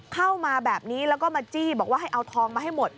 เข้ามาแบบนี้แล้วก็มาจี้บอกว่าให้เอาทองมาให้หมด